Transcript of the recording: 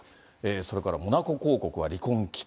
それから、モナコ公国は離婚危機。